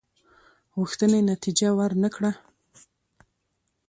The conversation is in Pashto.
غوښتنې نتیجه ورنه کړه.